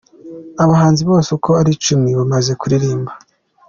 Abahanzi bose uko ari icumi bamaze kuririmba.